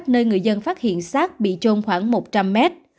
nơi người dân phát hiện sát bị trôn khoảng một trăm linh mét